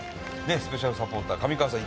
スペシャルサポーター、上川さん